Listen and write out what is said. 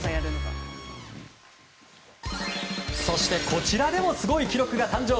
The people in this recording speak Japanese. そして、こちらでもすごい記録が誕生！